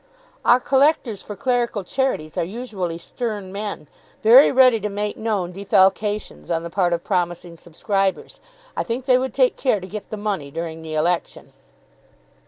"Our collectors for clerical charities are usually stern men, very ready to make known defalcations on the part of promising subscribers. I think they would take care to get the money during the election."